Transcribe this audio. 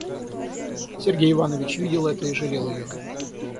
Сергей Иванович видел это и жалел ее.